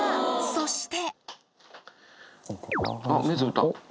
そして。